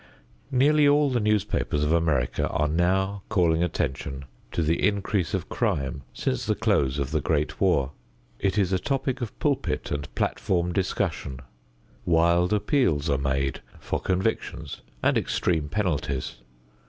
Nearly all the newspapers of America are now calling attention to the increase of crime since the close of the Great War. It is a topic of pulpit and platform discussion. Wild appeals are made for convictions and extreme penalties.